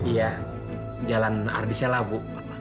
iya jalan ardisela bu